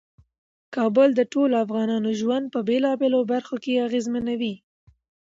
کابل د ټولو افغانانو ژوند په بیلابیلو برخو کې اغیزمنوي.